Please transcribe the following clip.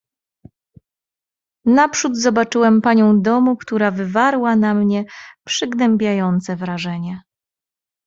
"Naprzód zobaczyłem panią domu, która wywarła na mnie przygnębiające wrażenie."